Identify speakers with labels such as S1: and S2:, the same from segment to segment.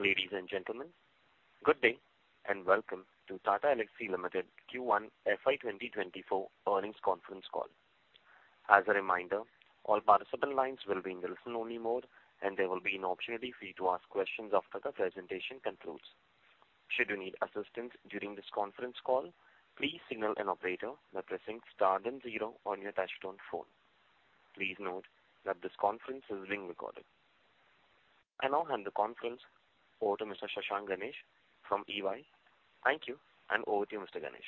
S1: Ladies and gentlemen, good day, welcome to Tata Elxsi Limited Q1 FY 2024 earnings conference call. As a reminder, all participant lines will be in listen-only mode, and there will be an opportunity for you to ask questions after the presentation concludes. Should you need assistance during this conference call, please signal an operator by pressing star then zero on your touchtone phone. Please note that this conference is being recorded. I now hand the conference over to Mr. Shashank Ganesh from EY. Thank you. Over to you, Mr. Ganesh.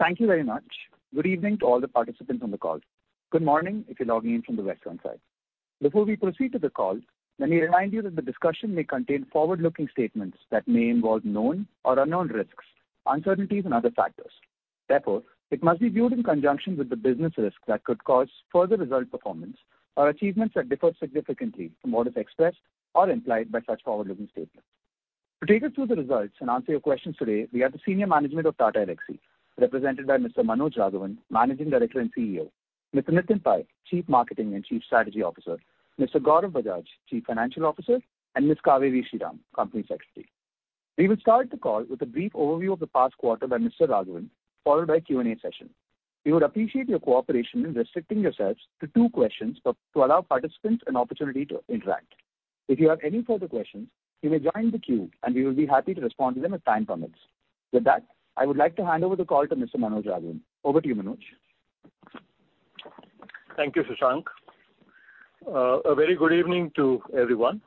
S2: Thank you very much. Good evening to all the participants on the call. Good morning, if you're logging in from the Western side. Before we proceed to the call, let me remind you that the discussion may contain forward-looking statements that may involve known or unknown risks, uncertainties and other factors. It must be viewed in conjunction with the business risks that could cause further result performance or achievements that differ significantly from what is expressed or implied by such forward-looking statements. To take us through the results and answer your questions today, we have the senior management of Tata Elxsi, represented by Mr. Manoj Raghavan, Managing Director and CEO; Mr. Nitin Pai, Chief Marketing and Chief Strategy Officer; Mr. Gaurav Bajaj, Chief Financial Officer; and Ms. Cauveri Sriram, Company Secretary. We will start the call with a brief overview of the past quarter by Mr. Raghavan, followed by a Q&A session. We would appreciate your cooperation in restricting yourselves to 2 questions to allow participants an opportunity to interact. If you have any further questions, you may join the queue, and we will be happy to respond to them as time permits. With that, I would like to hand over the call to Mr. Manoj Raghavan. Over to you, Manoj.
S3: Thank you, Shashank. A very good evening to everyone.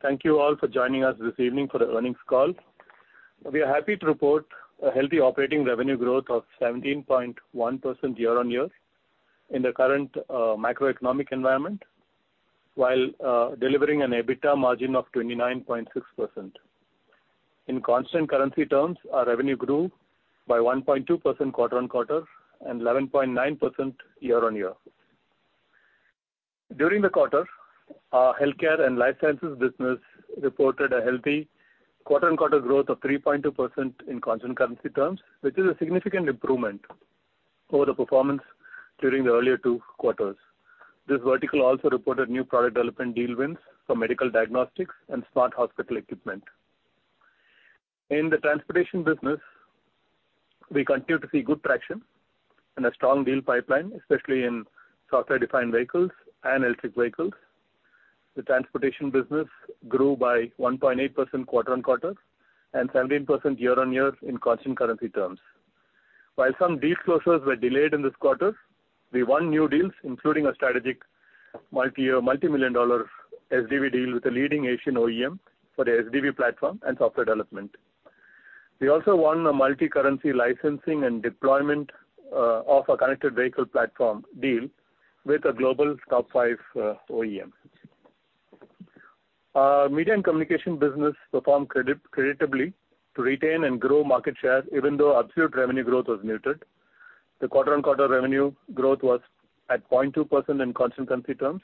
S3: Thank you all for joining us this evening for the earnings call. We are happy to report a healthy operating revenue growth of 17.1% year-on-year in the current macroeconomic environment, while delivering an EBITDA margin of 29.6%. In constant currency terms, our revenue grew by 1.2% quarter-on-quarter and 11.9% year-on-year. During the quarter, our healthcare and life sciences business reported a healthy quarter-on-quarter growth of 3.2% in constant currency terms, which is a significant improvement over the performance during the earlier two quarters. This vertical also reported new product development deal wins for medical diagnostics and smart hospital equipment. In the transportation business, we continue to see good traction and a strong deal pipeline, especially in software-defined vehicles and electric vehicles. The transportation business grew by 1.8% quarter-on-quarter and 17% year-on-year in constant currency terms. While some deal closures were delayed in this quarter, we won new deals, including a strategic multi-year, multimillion-dollar SDV deal with a leading Asian OEM for the SDV platform and software development. We also won a multicurrency licensing and deployment of a connected vehicle platform deal with a global top five OEM. Our media and communication business performed creditably to retain and grow market share, even though absolute revenue growth was muted. The quarter-on-quarter revenue growth was at 0.2% in constant currency terms.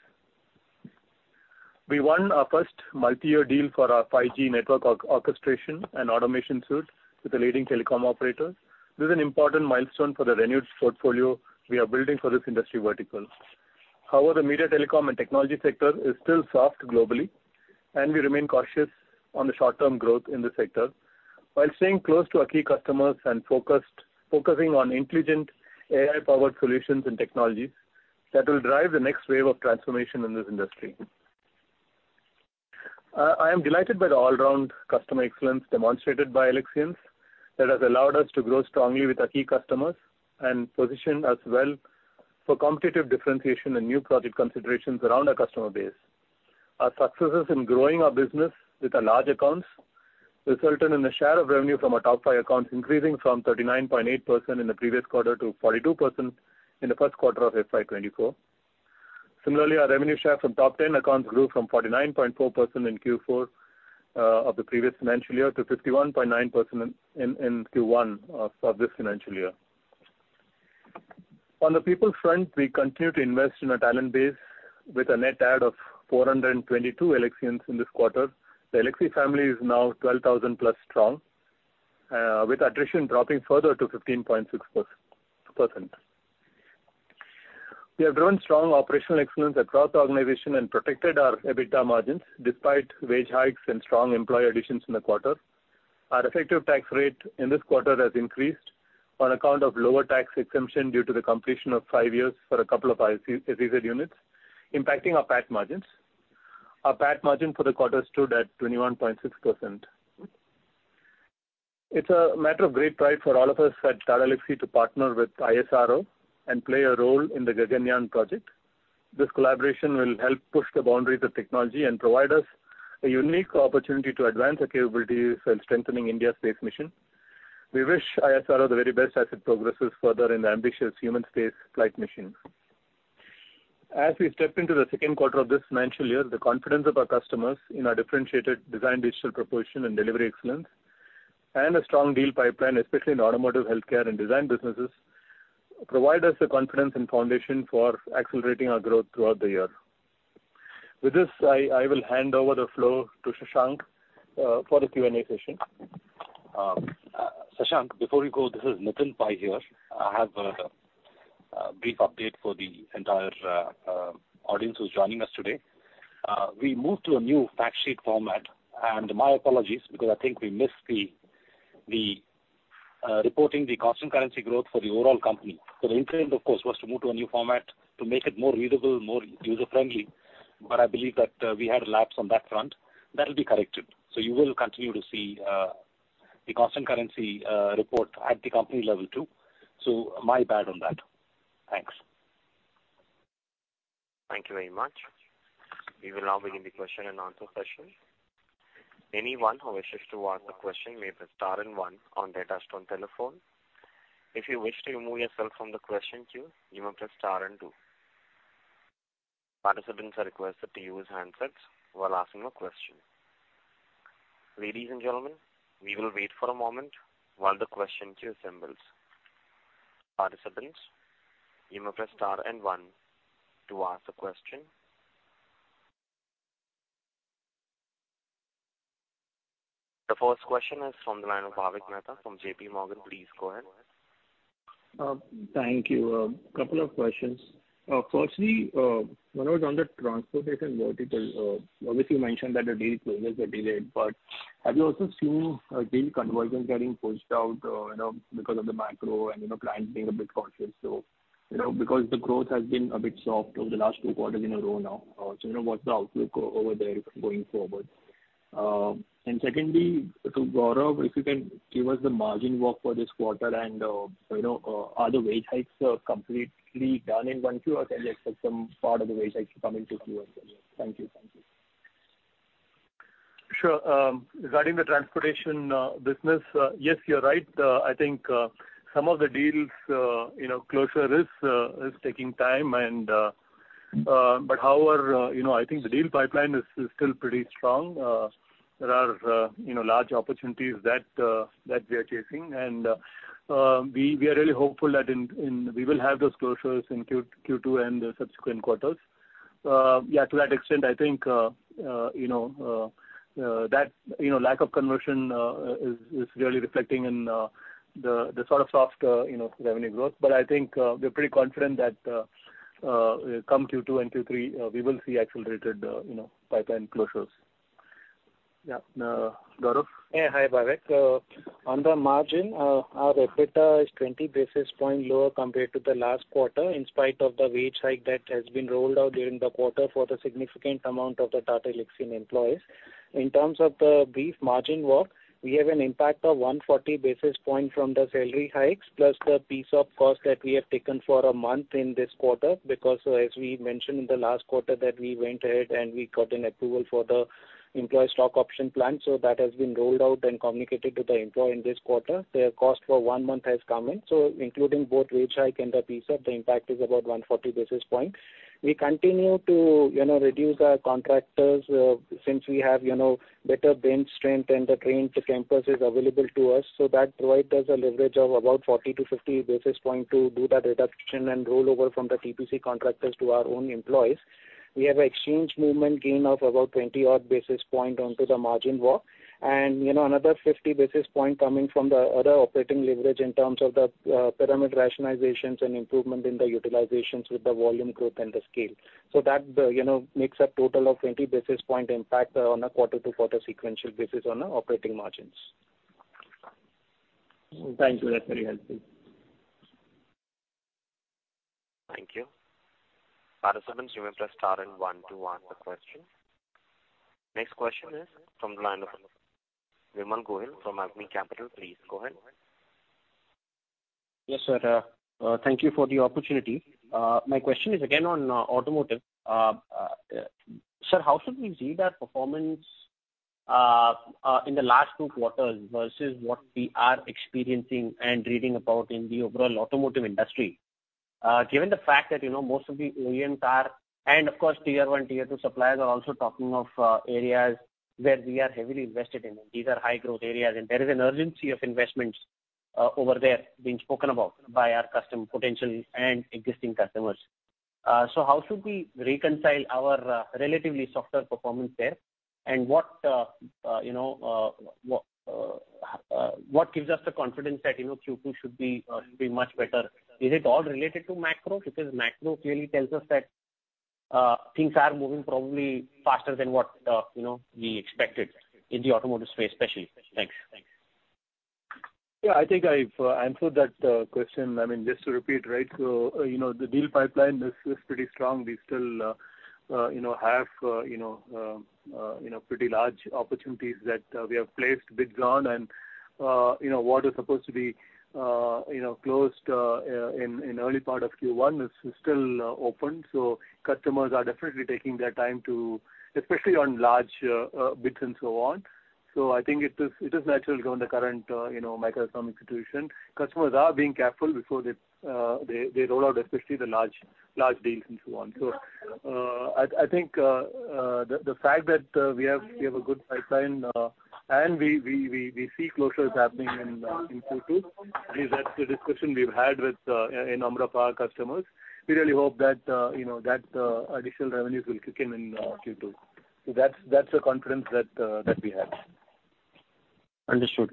S3: We won our first multi-year deal for our 5G network orchestration and automation suite with a leading telecom operator. This is an important milestone for the renewed portfolio we are building for this industry vertical. The media, telecom, and technology sector is still soft globally, and we remain cautious on the short-term growth in this sector while staying close to our key customers and focusing on intelligent AI-powered solutions and technologies that will drive the next wave of transformation in this industry. I am delighted by the all-round customer excellence demonstrated by Elxsians that has allowed us to grow strongly with our key customers and position us well for competitive differentiation and new project considerations around our customer base. Our successes in growing our business with our large accounts resulted in the share of revenue from our top five accounts increasing from 39.8% in the previous quarter to 42% in the Q1 of FY 2024. Our revenue share from top 10 accounts grew from 49.4% in Q4 of the previous financial year to 51.9% in Q1 of this financial year. On the people front, we continue to invest in our talent base with a net add of 422 Elxsians in this quarter. The Elxsi family is now 12,000 plus strong, with attrition dropping further to 15.6%. We have driven strong operational excellence across the organization and protected our EBITDA margins despite wage hikes and strong employee additions in the quarter. Our effective tax rate in this quarter has increased on account of lower tax exemption due to the completion of five years for a couple of our SEZ units, impacting our PAT margins. Our PAT margin for the quarter stood at 21.6%. It's a matter of great pride for all of us at Tata Elxsi to partner with ISRO and play a role in the Gaganyaan project. This collaboration will help push the boundaries of technology and provide us a unique opportunity to advance our capabilities while strengthening India's space mission. We wish ISRO the very best as it progresses further in the ambitious human space flight mission. As we step into the Q2 of this financial year, the confidence of our customers in our differentiated design, digital proposition, and delivery excellence, and a strong deal pipeline, especially in automotive, healthcare, and design businesses, provide us the confidence and foundation for accelerating our growth throughout the year. With this, I will hand over the floor to Shashank for the Q&A session.
S4: Shashank, before you go, this is Nitin Pai here.... brief update for the entire audience who's joining us today. We moved to a new fact sheet format, and my apologies, because I think we missed the reporting the constant currency growth for the overall company. The intent, of course, was to move to a new format to make it more readable, more user-friendly, but I believe that we had a lapse on that front. That will be corrected. You will continue to see the constant currency report at the company level, too. My bad on that. Thanks.
S2: Thank you very much. We will now begin the question and answer session. Anyone who wishes to ask a question, may press star and one on their touch-tone telephone. If you wish to remove yourself from the question queue, you may press star and two. Participants are requested to use handsets while asking a question. Ladies and gentlemen, we will wait for a moment while the question queue assembles. Participants, you may press star and one to ask a question. The first question is from the line of Bhavik Mehta from J.P. Morgan. Please go ahead.
S5: Thank you. Couple of questions. Firstly, one was on the transportation vertical. Obviously, you mentioned that the deal closures are delayed, but have you also seen, deal conversions getting pushed out, you know, because of the macro and, you know, clients being a bit cautious? You know, because the growth has been a bit soft over the last two quarters in a row now. You know, what's the outlook over there going forward? Secondly, to Gaurav, if you can give us the margin walk for this quarter and, you know, are the wage hikes, completely done in one quarter, or can you expect some part of the wage hike to come into Q1? Thank you.
S3: Sure. Regarding the transportation business, yes, you're right. I think, some of the deals, you know, closure is taking time. However, you know, I think the deal pipeline is still pretty strong. There are, you know, large opportunities that we are chasing, and we are really hopeful that we will have those closures in Q2 and the subsequent quarters. Yeah, to that extent, I think, you know, that, you know, lack of conversion is really reflecting in the sort of soft, you know, revenue growth. I think, we're pretty confident that come Q2 and Q3, we will see accelerated, you know, pipeline closures. Yeah. Gaurav?
S6: Hi, Bhavik. On the margin, our EBITDA is 20 basis points lower compared to the last quarter, in spite of the wage hike that has been rolled out during the quarter for the significant amount of the Tata Elxsi employees. In terms of the brief margin walk, we have an impact of 140 basis points from the salary hikes, plus the piece of cost that we have taken for 1 month in this quarter, because as we mentioned in the last quarter, that we went ahead and we got an approval for the employee stock option plan. That has been rolled out and communicated to the employee in this quarter. Their cost for 1 month has come in, including both wage hike and the ESOP, the impact is about 140 basis points. We continue to, you know, reduce our contractors, since we have, you know, better bench strength and the trained campuses available to us, so that provides us a leverage of about 40-50 basis point to do that reduction and roll over from the TPC contractors to our own employees. We have an exchange movement gain of about 20 odd basis point onto the margin walk, and, you know, another 50 basis point coming from the other operating leverage in terms of the pyramid rationalizations and improvement in the utilizations with the volume growth and the scale. That, you know, makes a total of 20 basis point impact on a quarter-to-quarter sequential basis on our operating margins.
S5: Thank you. That's very helpful.
S2: Thank you. Participants, you may press star and one to ask a question. Next question is from the line of Vimal Gohil from Alchemy Capital Management. Please go ahead.
S7: Yes, sir. Thank you for the opportunity. My question is again on automotive. Sir, how should we read our performance in the last 2 quarters versus what we are experiencing and reading about in the overall automotive industry? Given the fact that, you know, most of the OEMs are, and of course, tier 1, tier 2 suppliers are also talking of areas where we are heavily invested in. These are high growth areas, and there is an urgency of investments over there being spoken about by our potential and existing customers. How should we reconcile our relatively softer performance there? What, you know, what gives us the confidence that, you know, Q2 should be much better? Is it all related to macro? Macro clearly tells us that things are moving probably faster than what, you know, we expected in the automotive space, especially. Thanks.
S3: Yeah, I think I've answered that question. I mean, just to repeat, right, so, you know, the deal pipeline is pretty strong. We still, you know, have, you know, pretty large opportunities that we have placed bids on. You know, what is supposed to be, you know, closed in early part of Q1 is still open. Customers are definitely taking their time to... especially on large bids and so on. I think it is natural, given the current, you know, macroeconomic situation. Customers are being careful before they roll out, especially the large deals and so on. I think the fact that we have a good pipeline and we see closures happening in Q2 is the discussion we’ve had with a number of our customers. We really hope that, you know, additional revenues will kick in in Q2. That’s the confidence that we have.
S7: Understood.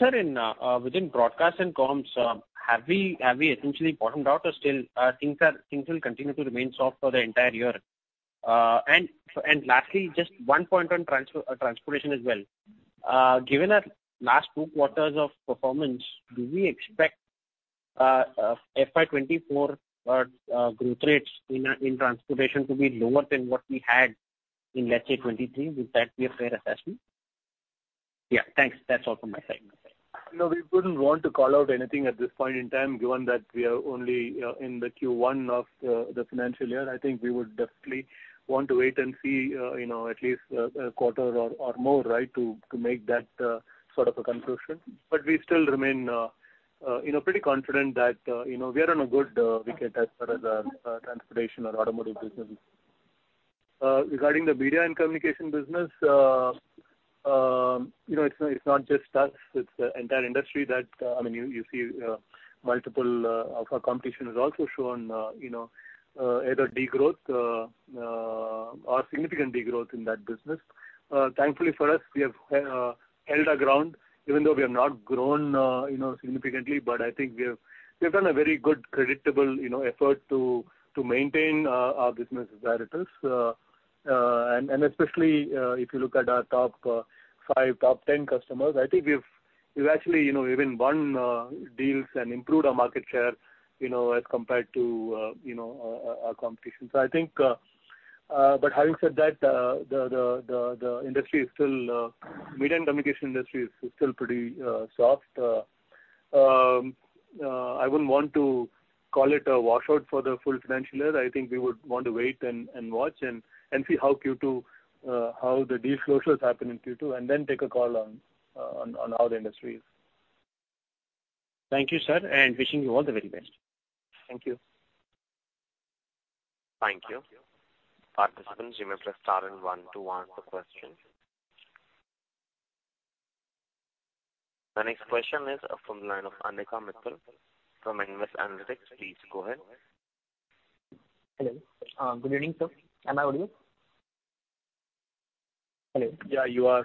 S7: Sir, in within broadcast and comms, have we essentially bottomed out or still things will continue to remain soft for the entire year? Lastly, just one point on transportation as well. Given our last 2 quarters of performance, do we expect FY 2024 growth rates in transportation to be lower than what we had in, let's say, 2023? Would that be a fair assessment? Yeah, thanks. That's all from my side.
S3: We wouldn't want to call out anything at this point in time, given that we are only in the Q1 of the financial year. I think we would definitely want to wait and see, you know, at least a quarter or more, right, to make that sort of a conclusion. We still remain, you know, pretty confident that, you know, we are on a good wicket as far as transportation or automotive business. Regarding the media and communication business, you know, it's not just us, it's the entire industry that, I mean, you see multiple of our competition has also shown, you know, either degrowth or significant degrowth in that business. Thankfully for us, we have held our ground, even though we have not grown, you know, significantly, but I think we have done a very good creditable, you know, effort to maintain our business as that it is. Especially, if you look at our top 5, top 10 customers, I think we've actually, you know, even won deals and improved our market share, you know, as compared to, you know, our competition. I think, but having said that, the media and communication industry is still pretty soft. I wouldn't want to call it a washout for the full financial year. I think we would want to wait and watch and see how Q2, how the deal closures happen in Q2, and then take a call on how the industry is.
S7: Thank you, sir, and wishing you all the very best. Thank you.
S2: Thank you. Participants, you may press star 1 to ask a question. The next question is from the line of Anika Mittal from NVEST Analytics. Please go ahead.
S8: Hello. good evening, sir. Am I audible? Hello.
S3: Yeah, you are.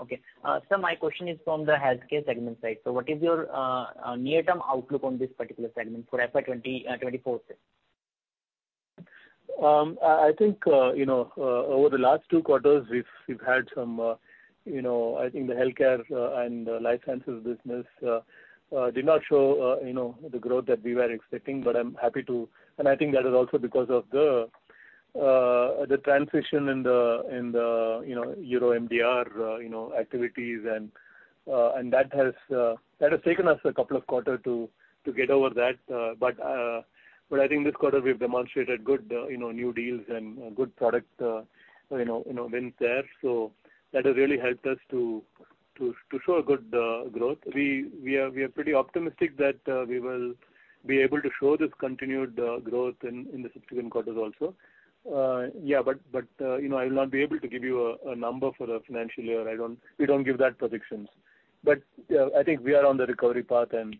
S8: Okay. sir, my question is from the healthcare segment side. What is your near-term outlook on this particular segment for FY 2024 sir?
S3: I think over the last 2 quarters, we've had some, I think the healthcare and life sciences business did not show the growth that we were expecting, but I'm happy to. I think that is also because of the transition in the EU MDR activities and that has taken us a couple of quarter to get over that. I think this quarter we've demonstrated good new deals and good product wins there. That has really helped us to show a good growth. We are pretty optimistic that we will be able to show this continued growth in the subsequent quarters also. Yeah, you know, I will not be able to give you a number for the financial year. We don't give that predictions. I think we are on the recovery path, and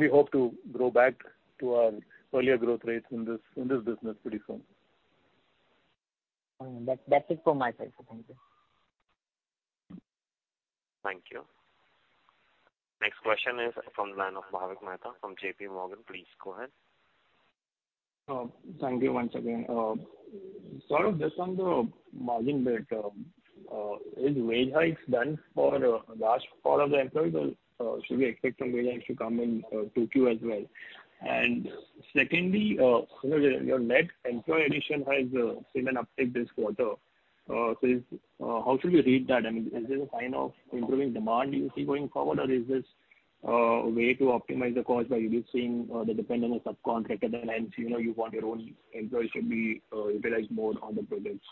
S3: we hope to grow back to our earlier growth rates in this business pretty soon.
S8: That's it from my side. Thank you.
S2: Thank you. Next question is from the line of Bhavik Mehta from JP Morgan. Please go ahead.
S5: Thank you once again. Sort of just on the margin bit, is wage hikes done for large part of the employees, or should we expect some wage hikes to come in 2Q as well? Secondly, your net employee addition has seen an uptick this quarter. How should we read that? I mean, is this a sign of improving demand you see going forward, or is this a way to optimize the cost by reducing the dependent of subcontractor, and, you know, you want your own employees to be utilized more on the projects?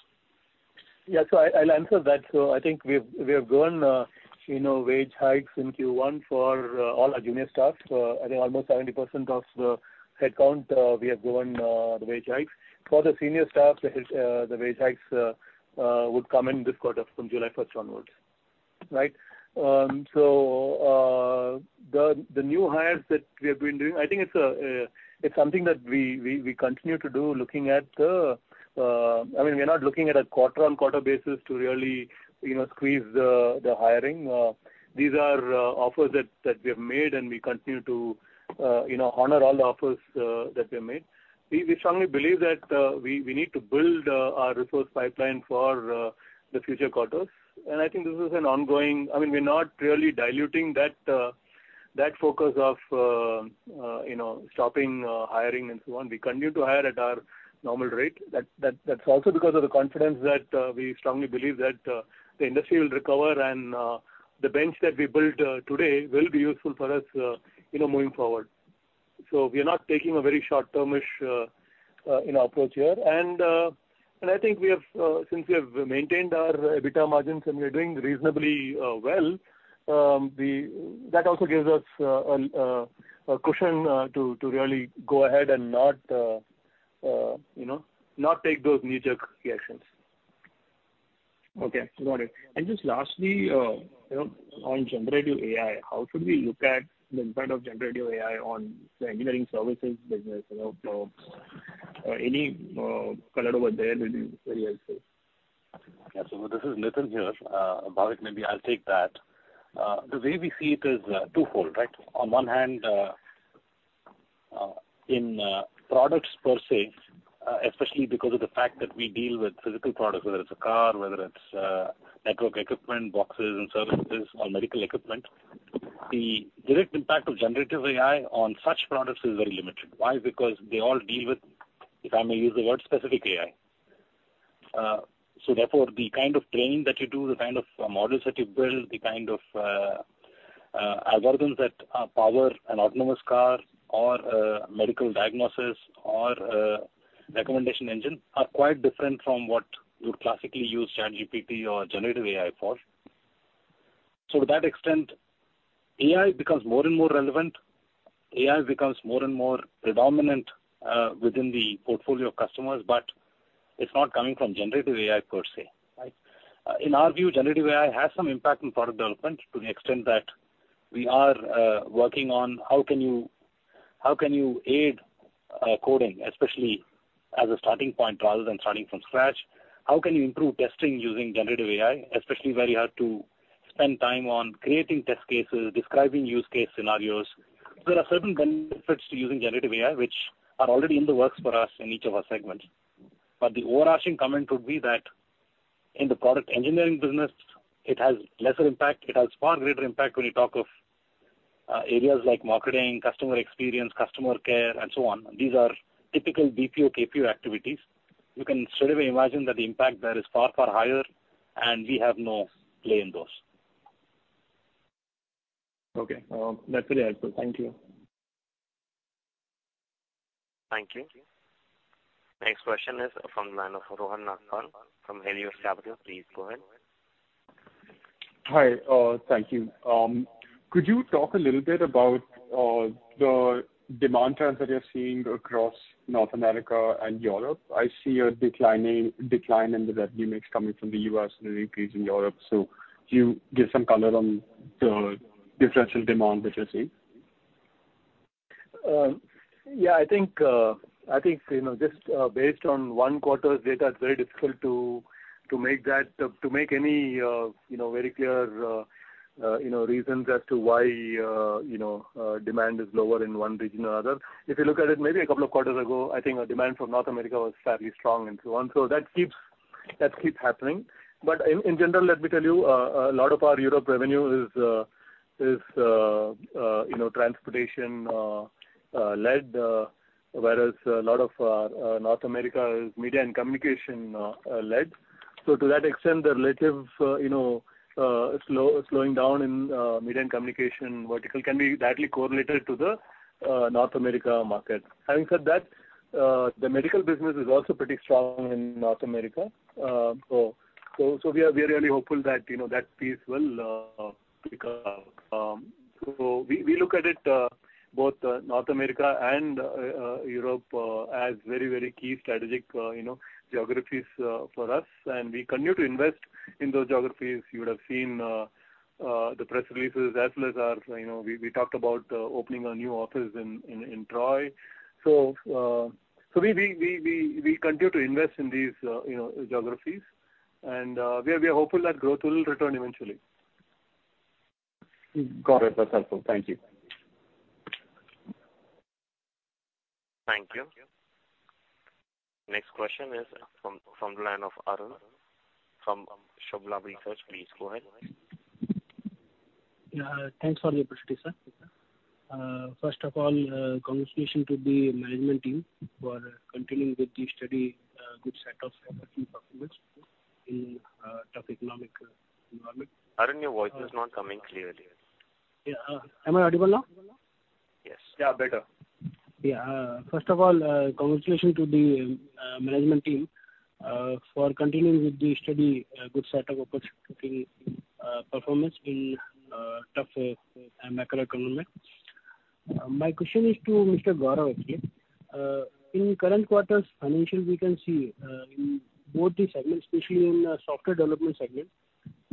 S3: Yeah, I'll answer that. I think we have given, you know, wage hikes in Q1 for all our junior staff. I think almost 70% of the headcount, we have given the wage hikes. For the senior staff, the wage hikes would come in this quarter from July first onwards. Right? The new hires that we have been doing, I think it's something that we continue to do, looking at the. I mean, we're not looking at a quarter-on-quarter basis to really, you know, squeeze the hiring. These are offers that we have made, and we continue to, you know, honor all the offers that we have made. We strongly believe that we need to build our resource pipeline for the future quarters. I think this is an ongoing. I mean, we're not really diluting that focus of, you know, stopping hiring and so on. We continue to hire at our normal rate. That's also because of the confidence that we strongly believe that the industry will recover and the bench that we built today will be useful for us, you know, moving forward. We are not taking a very short-termish, you know, approach here. I think we have since we have maintained our EBITDA margins and we are doing reasonably well, that also gives us a cushion to really go ahead and not, you know, not take those knee-jerk reactions.
S5: Okay, got it. Just lastly, you know, on generative AI, how should we look at the impact of generative AI on the engineering services business? You know, any color over there would be very helpful.
S4: Yeah, this is Nitin here. Bhavik, maybe I'll take that. The way we see it is twofold, right? On one hand, in products per se, especially because of the fact that we deal with physical products, whether it's a car, whether it's network equipment, boxes and services or medical equipment, the direct impact of generative AI on such products is very limited. Why? Because they all deal with, if I may use the word, specific AI. Therefore, the kind of training that you do, the kind of models that you build, the kind of algorithms that power an autonomous car or a medical diagnosis or a recommendation engine, are quite different from what you would classically use ChatGPT or generative AI for. To that extent, AI becomes more and more relevant, AI becomes more and more predominant within the portfolio of customers, but it's not coming from generative AI per se, right? In our view, generative AI has some impact on product development to the extent that we are working on how can you, how can you aid coding, especially as a starting point rather than starting from scratch? How can you improve testing using generative AI, especially where you have to spend time on creating test cases, describing use case scenarios? There are certain benefits to using generative AI, which are already in the works for us in each of our segments. But the overarching comment would be that in the product engineering business, it has lesser impact. It has far greater impact when you talk of areas like marketing, customer experience, customer care, and so on. These are typical BPO, KPO activities. You can sort of imagine that the impact there is far, far higher. We have no play in those.
S9: Okay. That's very helpful. Thank you.
S2: Thank you. Next question is from the line of Rohan Nagpal from Helios Capital. Please go ahead.
S10: Hi, thank you. Could you talk a little bit about the demand trends that you're seeing across North America and Europe? I see a decline in the revenue mix coming from the US and an increase in Europe. Could you give some color on the differential demand that you're seeing?
S3: Yeah, I think, I think, you know, just, based on one quarter's data, it's very difficult to make that, to make any, you know, very clear, you know, reasons as to why, you know, demand is lower in one region or another. If you look at it maybe a couple of quarters ago, I think our demand from North America was fairly strong and so on. That keeps happening. In general, let me tell you, a lot of our Europe revenue is, you know, transportation, led, whereas a lot of our North America is media and communication, led. To that extent, the relative, you know, slowing down in media and communication vertical can be directly correlated to the North America market. Having said that, the medical business is also pretty strong in North America. We are really hopeful that, you know, that piece will pick up. We look at it, both North America and Europe, as very, very key strategic, you know, geographies for us, and we continue to invest in those geographies. You would have seen the press releases, as well as our, you know, we talked about opening a new office in Troy. we continue to invest in these, you know, geographies, and we are hopeful that growth will return eventually.
S10: Got it. That's helpful. Thank you.
S2: Thank you. Next question is from the line of Arun, from Shubhlaxmi Research. Please go ahead.
S11: Thanks for the opportunity, sir. First of all, congratulations to the management team for continuing with the steady, good set of performance in tough economic environment.
S2: Arun, your voice is not coming clearly.
S11: Yeah, am I audible now?
S2: Yes.
S3: Yeah, better.
S11: First of all, congratulations to the management team for continuing with the steady, good set of opportunity performance in tough macroeconomy. My question is to Mr. Gaurav Bajaj. In current quarter's financials, we can see in both the segments, especially in the software development segment,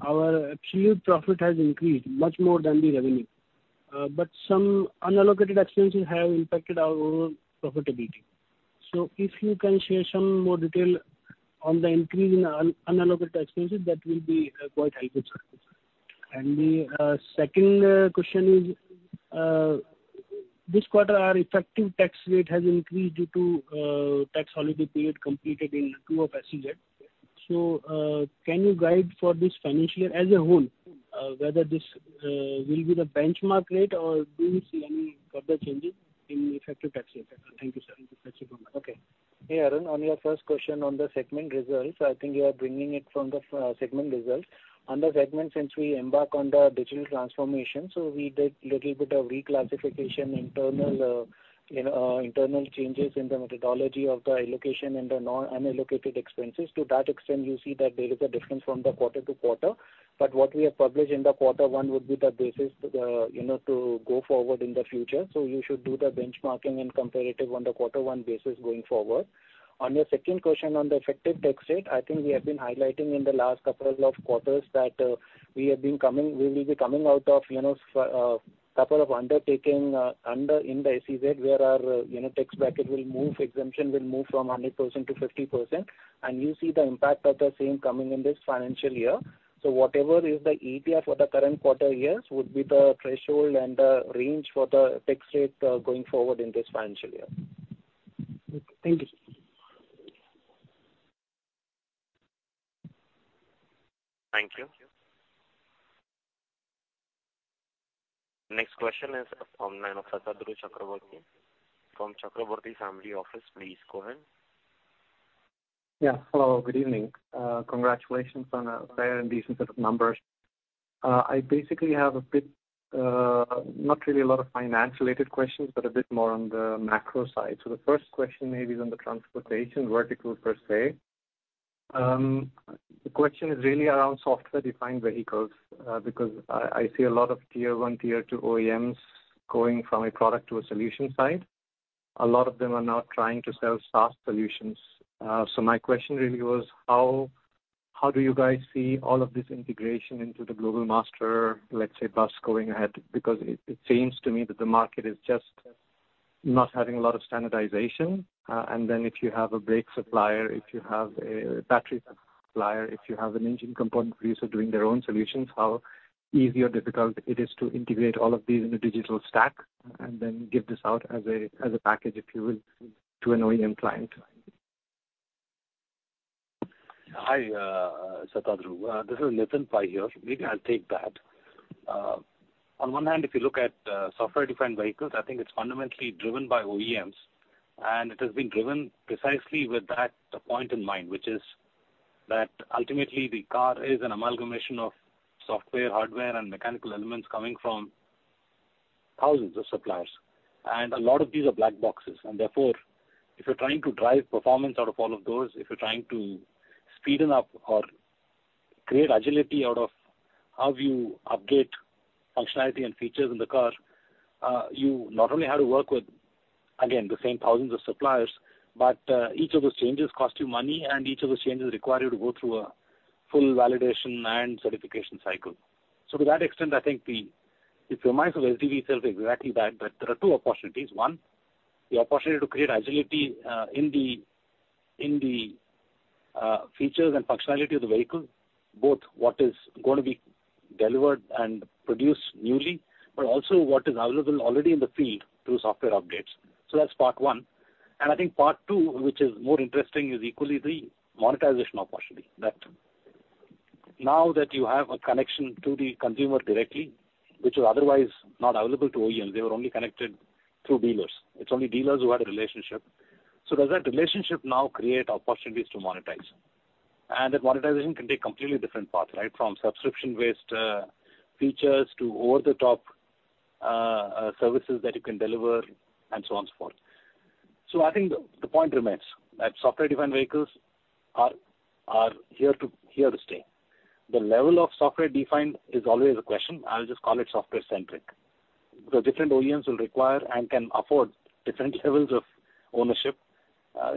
S11: our absolute profit has increased much more than the revenue. But some unallocated expenses have impacted our overall profitability. If you can share some more detail on the increase in unallocated expenses, that will be quite helpful, sir. The second question is this quarter, our effective tax rate has increased due to tax holiday period completed in two of SEZ. Can you guide for this financial year as a whole, whether this will be the benchmark rate, or do you see any further changes in effective tax rate? Thank you, sir.
S3: Okay. Hey, Arun. On your first question on the segment results, I think you are bringing it from the segment results. On the segment, since we embark on the digital transformation, so we did little bit of reclassification, internal, you know, internal changes in the methodology of the allocation and the non-unallocated expenses. To that extent, you see that there is a difference from the quarter to quarter. What we have published in the quarter one would be the basis, you know, to go forward in the future. You should do the benchmarking and comparative on the quarter one basis going forward. On your second question on the effective tax rate, I think we have been highlighting in the last couple of quarters that, we will be coming out of, you know, couple of undertaking, under in the SEZ, where our, you know, tax bracket will move, exemption will move from 100% to 50%. You see the impact of the same coming in this financial year. Whatever is the EPS for the current quarter years, would be the threshold and the range for the tax rate, going forward in this financial year.
S11: Thank you.
S2: Thank you. Next question is from Satadru Chakraborty from Chakraborty Family Office. Please go ahead.
S12: Yeah. Hello, good evening. Congratulations on a fair and decent set of numbers. I basically have a bit, not really a lot of finance-related questions, but a bit more on the macro side. The first question maybe is on the transportation vertical per se. The question is really around software-defined vehicles, because I see a lot of tier one, tier two OEMs going from a product to a solution side. A lot of them are now trying to sell SaaS solutions. My question really was, how do you guys see all of this integration into the global master, let's say, bus going ahead? Because it seems to me that the market is just not having a lot of standardization. If you have a brake supplier, if you have a battery supplier, if you have an engine component producer doing their own solutions, how easy or difficult it is to integrate all of these in a digital stack, and then give this out as a, as a package, if you will, to an OEM client?
S4: Hi, Satadru. This is Nitin Pai here. Maybe I'll take that. On one hand, if you look at software-defined vehicles, I think it's fundamentally driven by OEMs, and it has been driven precisely with that point in mind, which is that ultimately the car is an amalgamation of software, hardware, and mechanical elements coming from thousands of suppliers. A lot of these are black boxes, and therefore, if you're trying to drive performance out of all of those, if you're trying to speeden up or create agility out of how you update functionality and features in the car, you not only have to work with, again, the same thousands of suppliers, but each of those changes cost you money, and each of those changes require you to go through a full validation and certification cycle. To that extent, I think the, it reminds of SDV itself exactly that, but there are two opportunities. One, the opportunity to create agility in the features and functionality of the vehicle, both what is going to be delivered and produced newly, but also what is available already in the field through software updates. That's part one. I think part two, which is more interesting, is equally the monetization opportunity, that now that you have a connection to the consumer directly, which was otherwise not available to OEMs, they were only connected through dealers. It's only dealers who had a relationship. Does that relationship now create opportunities to monetize? That monetization can take completely different paths, right? From subscription-based features to over-the-top services that you can deliver and so on, so forth. I think the point remains that software-defined vehicles are here to stay. The level of software-defined is always a question. I'll just call it software centric. The different OEMs will require and can afford different levels of ownership.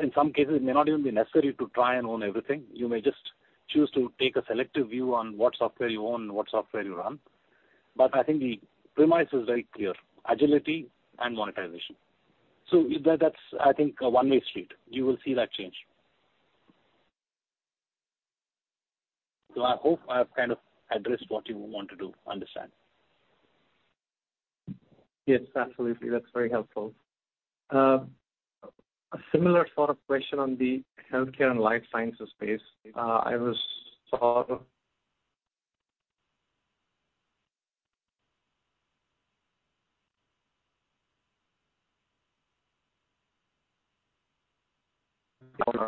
S4: In some cases, it may not even be necessary to try and own everything. You may just choose to take a selective view on what software you own and what software you run. I think the premise is very clear, agility and monetization. That's, I think, a one-way street. You will see that change. I hope I have kind of addressed what you wanted to understand.
S12: Yes, absolutely. That's very helpful. A similar sort of question on the healthcare and life sciences space. I was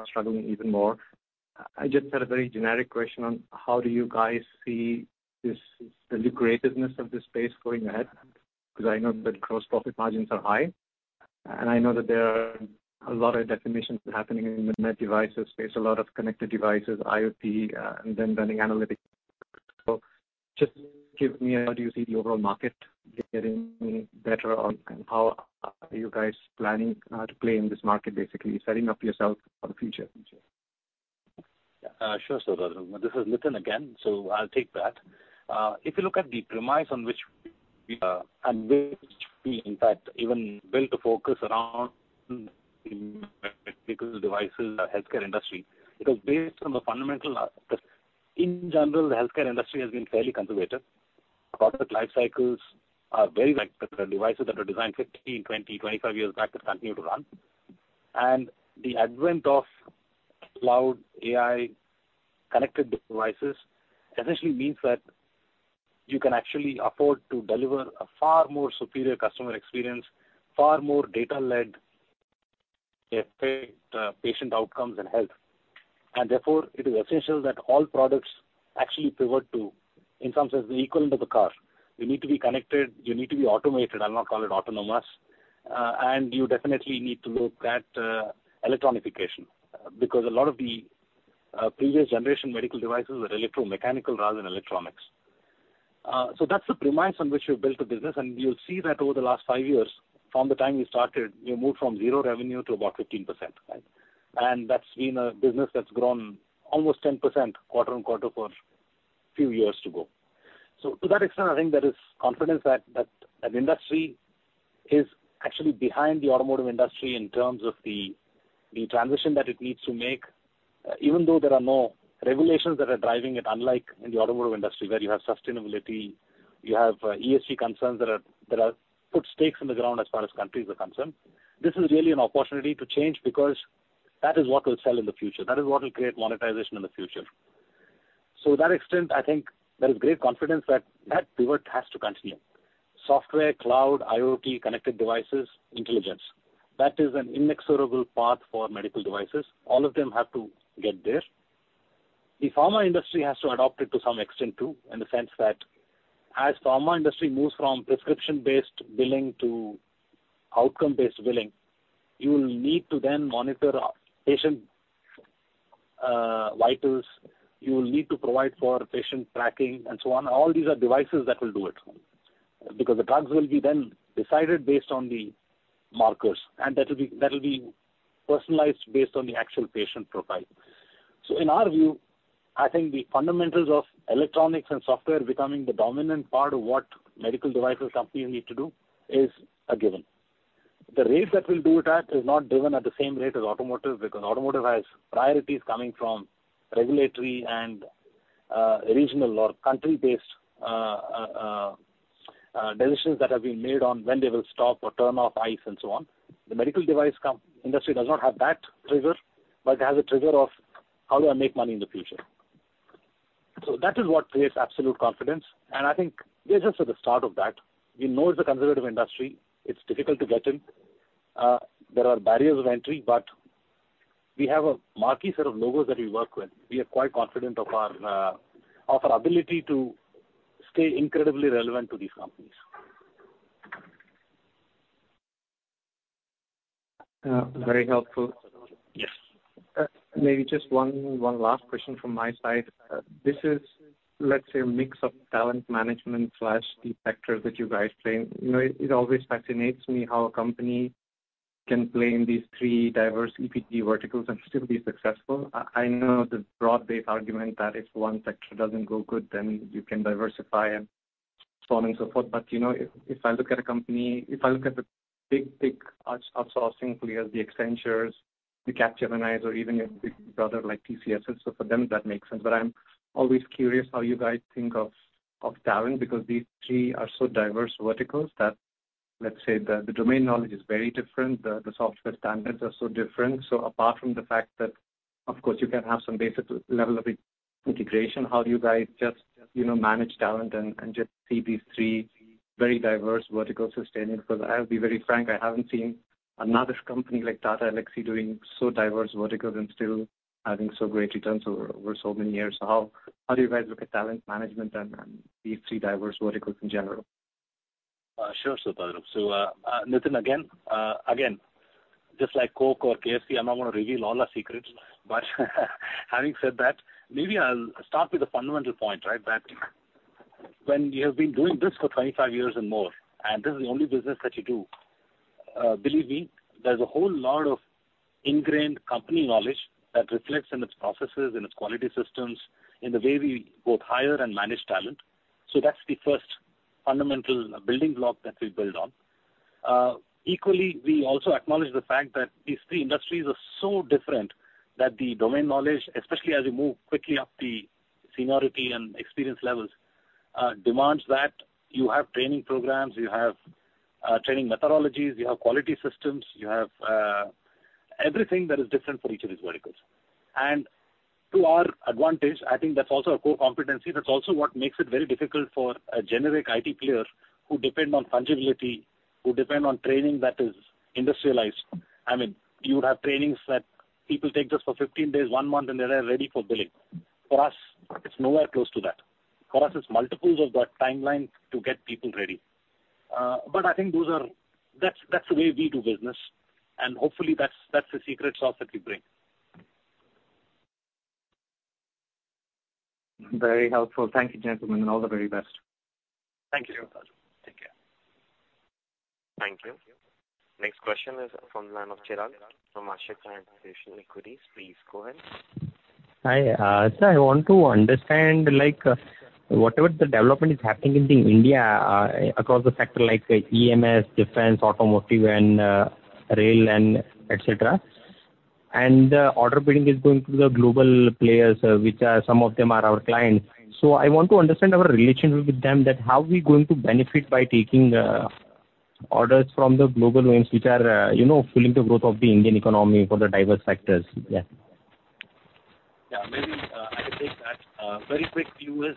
S12: struggling even more. I just had a very generic question on how do you guys see this, the greatness of this space going ahead? I know that gross profit margins are high, and I know that there are a lot of definitions happening in the net devices space, a lot of connected devices, IoT, and then running analytics. Just give me, how do you see the overall market getting better, or how are you guys planning to play in this market, basically, setting up yourself for the future?
S4: Sure, Satadru. This is Nitin again, so I'll take that. If you look at the premise on which we are, and which we in fact even built a focus around medical devices, healthcare industry, it was based on the fundamental, that in general, the healthcare industry has been fairly conservative. Product life cycles are very like the devices that were designed 15, 20, 25 years back, but continue to run. The advent of cloud, AI, connected devices, essentially means that you can actually afford to deliver a far more superior customer experience, far more data-led effect, patient outcomes and health. Therefore, it is essential that all products actually pivot to, in some sense, the equivalent of a car. You need to be connected, you need to be automated. I'll not call it autonomous. You definitely need to look at electronification, because a lot of the previous generation medical devices were electromechanical rather than electronics. That's the premise on which we've built the business, and you'll see that over the last 5 years, from the time we started, we moved from 0 revenue to about 15%, right? That's been a business that's grown almost 10% quarter-on-quarter for a few years to go. To that extent, I think there is confidence that an industry is actually behind the automotive industry in terms of the transition that it needs to make, even though there are no regulations that are driving it, unlike in the automotive industry, where you have sustainability. You have ESG concerns that are put stakes in the ground as far as countries are concerned. This is really an opportunity to change because that is what will sell in the future, that is what will create monetization in the future. To that extent, I think there is great confidence that that pivot has to continue. Software, cloud, IoT, connected devices, intelligence, that is an inexorable path for medical devices. All of them have to get there. The pharma industry has to adopt it to some extent, too, in the sense that as pharma industry moves from prescription-based billing to outcome-based billing, you will need to then monitor patient vitals. You will need to provide for patient tracking, and so on. All these are devices that will do it. Because the drugs will be then decided based on the markers, and that will be personalized based on the actual patient profile. In our view, I think the fundamentals of electronics and software becoming the dominant part of what medical devices companies need to do is a given. The rate that we'll do it at is not driven at the same rate as automotive, because automotive has priorities coming from regulatory and regional or country-based decisions that have been made on when they will stop or turn off ICE, and so on. The medical device industry does not have that trigger, but it has a trigger of: How do I make money in the future? That is what creates absolute confidence, and I think this is at the start of that. We know it's a conservative industry. It's difficult to get in. There are barriers of entry, but we have a marquee set of logos that we work with. We are quite confident of our of our ability to stay incredibly relevant to these companies.
S12: Very helpful.
S4: Yes.
S12: Maybe just one last question from my side. This is, let's say, a mix of talent management slash the sector that you guys play in. You know, it always fascinates me how a company can play in these three diverse EPD verticals and still be successful. I know the broad-based argument that if one sector doesn't go good, then you can diversify and so on and so forth. You know, If I look at the big outsourcing players, the Accenture, the Capgemini, or even a big brother like TCS, so for them, that makes sense. I'm always curious how you guys think of talent, because these three are so diverse verticals, that, let's say, the domain knowledge is very different. The software standards are so different. Apart from the fact that, of course, you can have some basic level of integration, how do you guys just, you know, manage talent and just see these three very diverse verticals sustaining? Because I'll be very frank, I haven't seen another company like Tata Elxsi doing so diverse verticals and still having so great returns over so many years. How do you guys look at talent management and these three diverse verticals in general?
S4: Sure, Satadru. Nitin, again, just like Coke or KFC, I'm not gonna reveal all our secrets. Having said that, maybe I'll start with the fundamental point, right? That when you have been doing this for 25 years or more, and this is the only business that you do, believe me, there's a whole lot of ingrained company knowledge that reflects in its processes, in its quality systems, in the way we both hire and manage talent. That's the first fundamental building block that we build on. Equally, we also acknowledge the fact that these three industries are so different that the domain knowledge, especially as you move quickly up the seniority and experience levels, demands that you have training programs, you have training methodologies, you have quality systems, you have everything that is different for each of these verticals. To our advantage, I think that's also a core competency. That's also what makes it very difficult for a generic IT player who depend on fungibility, who depend on training that is industrialized. I mean, you would have trainings that people take just for 15 days, one month, and then they are ready for billing. For us, it's nowhere close to that. For us, it's multiples of that timeline to get people ready. I think those are... That's the way we do business, and hopefully that's the secret sauce that we bring.
S12: Very helpful. Thank you, gentlemen, and all the very best.
S4: Thank you. Thank you. Take care.
S2: Thank you. Next question is from the line of Chirag from Ashika Institutional Equities. Please go ahead.
S13: Hi, I want to understand, like, whatever the development is happening in the India, across the sector, like EMS, defense, automotive, and rail and et cetera. Order bidding is going to the global players, which are, some of them are our clients. I want to understand our relationship with them, that how are we going to benefit by taking orders from the global names, which are, you know, fueling the growth of the Indian economy for the diverse sectors? Yeah.
S4: Yeah, maybe, I can take that. Very quick view is,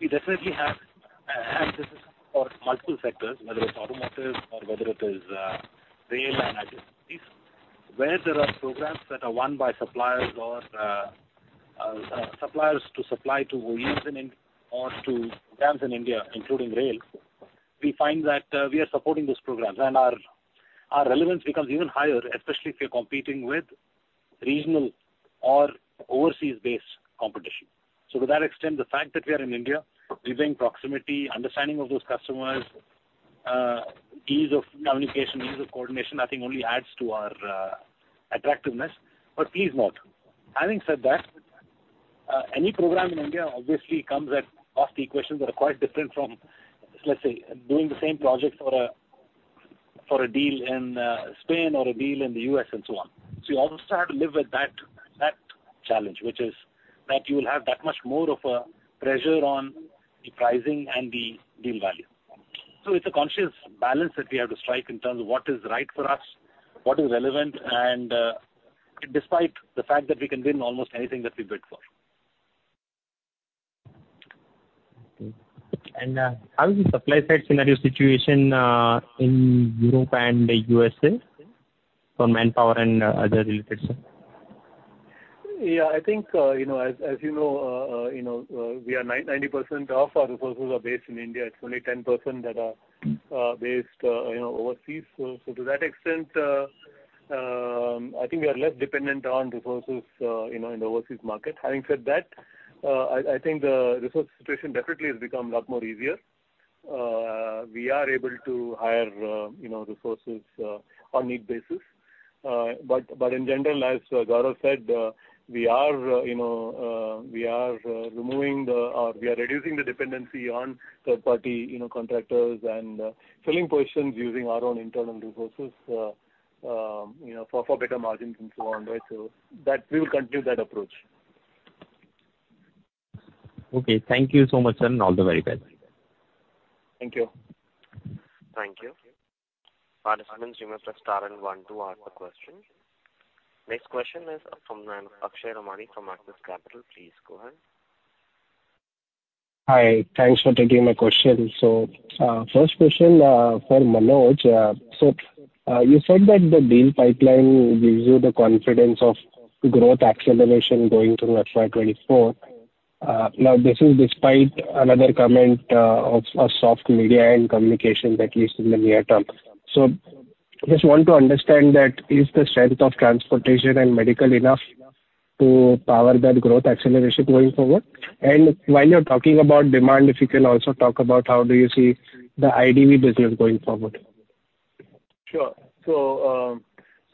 S4: we definitely have access for multiple sectors, whether it's automotive or whether it is rail and other sectors. Where there are programs that are won by suppliers or suppliers to supply to OEMs in or to dams in India, including rail, we find that, we are supporting those programs. Our relevance becomes even higher, especially if you're competing with regional or overseas-based competition. To that extent, the fact that we are in India, giving proximity, understanding of those customers, ease of communication, ease of coordination, I think only adds to our attractiveness, but please note. Having said that, any program in India obviously comes of the equations that are quite different from, let's say, doing the same projects for a deal in Spain or a deal in the U.S., and so on. You also have to live with that challenge, which is that you will have that much more of a pressure on the pricing and the deal value. It's a conscious balance that we have to strike in terms of what is right for us, what is relevant, despite the fact that we can win almost anything that we bid for.
S13: How is the supply side scenario situation in Europe and the USA for manpower and other related stuff?
S3: I think, you know, as you know, you know, we are 90% of our resources are based in India. It's only 10% that are based, you know, overseas. To that extent, I think we are less dependent on resources, you know, in the overseas market. Having said that, I think the resource situation definitely has become a lot more easier. We are able to hire, you know, resources on need basis. But, but in general, as Gaurav said, we are, you know, we are reducing the dependency on third-party, you know, contractors and filling positions using our own internal resources, you know, for better margins and so on, right? That we will continue that approach.
S6: Okay. Thank you so much, sir, and all the very best.
S3: Thank you.
S2: Thank you. Participants, you may press star and 1 to ask a question. Next question is from Akshay Ramnani from Axis Capital. Please go ahead.
S14: Hi, thanks for taking my question. First question, for Manoj. You said that the deal pipeline gives you the confidence of growth acceleration going through FY 2024. Now, this is despite another comment, of a soft media and communication, at least in the near term. Just want to understand that, is the strength of transportation and medical enough to power that growth acceleration going forward? While you're talking about demand, if you can also talk about how do you see the IDV business going forward?
S3: Sure.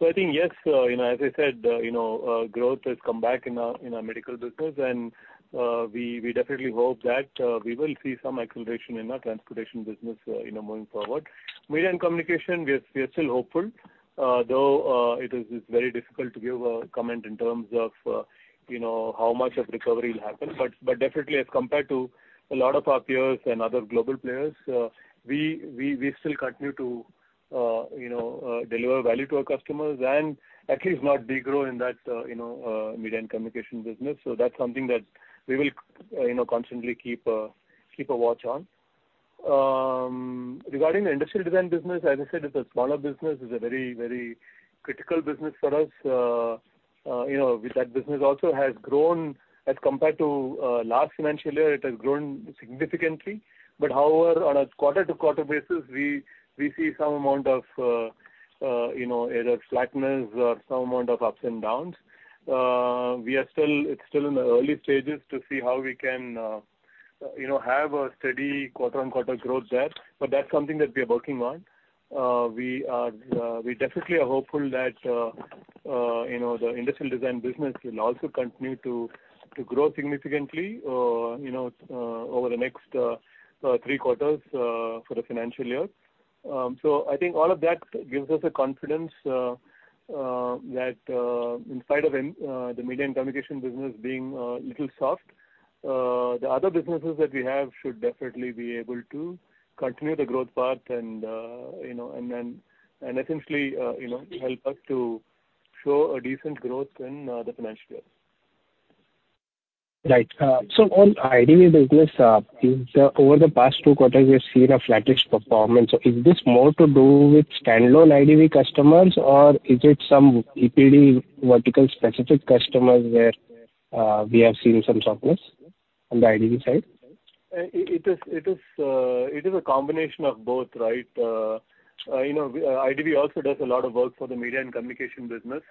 S3: I think, yes, you know, as I said, you know, growth has come back in our medical business, and we definitely hope that we will see some acceleration in our transportation business, you know, moving forward. Media and communication, we are still hopeful, though it's very difficult to give a comment in terms of, you know, how much of recovery will happen. Definitely, as compared to a lot of our peers and other global players, we still continue to, you know, deliver value to our customers and at least not degrow in that, you know, media and communication business. That's something that we will, you know, constantly keep a watch on. Regarding the industrial design business, as I said, it's a smaller business. It's a very, very critical business for us. You know, that business also has grown as compared to last financial year, it has grown significantly. However, on a quarter-to-quarter basis, we see some amount of flatness or some amount of ups and downs. We are still it's still in the early stages to see how we can, you know, have a steady quarter-on-quarter growth there, but that's something that we are working on. We are, we definitely are hopeful that, you know, the industrial design business will also continue to grow significantly, you know, over the next three quarters for the financial year. I think all of that gives us a confidence that in spite of the media and communication business being little soft, the other businesses that we have should definitely be able to continue the growth path and, you know, essentially, you know, help us to show a decent growth in the financial year.
S14: Right. On IDV business, over the past two quarters, we've seen a flattish performance. Is this more to do with standalone IDV customers, or is it some EPD vertical specific customers where we have seen some softness on the IDV side?
S3: It is a combination of both, right? You know, IDV also does a lot of work for the media and communication business,